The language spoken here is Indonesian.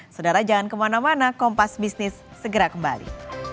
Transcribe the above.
saudara jangan kemana mana kompas bisnis segera kembali